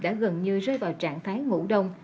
đã gần như rơi vào trạng thái ngủ đông